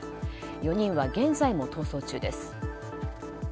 ４人は現在も逃走中です。